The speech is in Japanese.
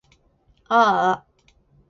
あーあ